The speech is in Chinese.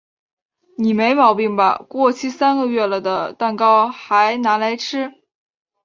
你没毛病吧？过期三个月了的蛋糕嗨拿来吃？